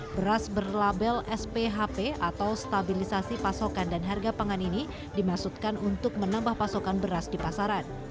beras berlabel sphp atau stabilisasi pasokan dan harga pangan ini dimaksudkan untuk menambah pasokan beras di pasaran